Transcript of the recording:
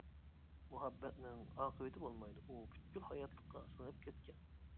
-مۇھەببەتنىڭ ئاقىۋىتى بولمايدۇ، ئۇ پۈتكۈل ھاياتلىققا سىڭىپ كەتكەن.